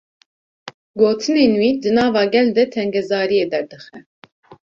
Gotinên wî, di nava gel de tengezariyê derdixe